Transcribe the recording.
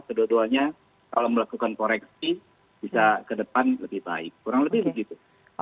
sebetulnya kalau melakukan koreksi bisa ke depan lebih baik kurang lebih begitu